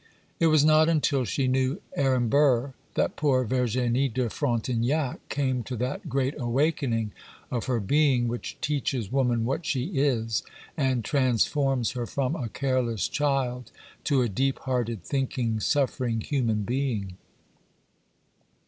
It was not until she knew Aaron Burr that poor Virginie de Frontignac came to that great awakening of her being which teaches woman what she is, and transforms her from a careless child to a deep hearted, thinking, suffering, human being.